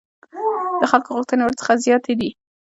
د خلکو غوښتنې هم ورڅخه زیاتې دي.